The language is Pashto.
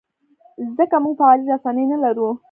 ځکه موږ فعالې رسنۍ نه لرو.